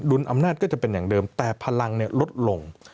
อำนาจก็จะเป็นอย่างเดิมแต่พลังลดลง